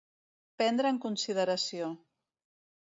Prendre en consideració.